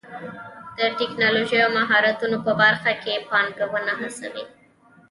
د ټکنالوژۍ او مهارتونو په برخه کې پانګونه هڅوي.